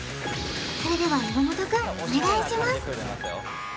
それでは岩本くんお願いします